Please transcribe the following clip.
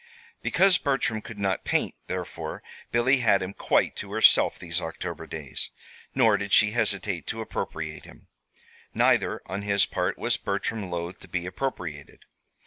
Because Bertram could not paint, therefore, Billy had him quite to herself these October days; nor did she hesitate to appropriate him. Neither, on his part, was Bertram loath to be appropriated.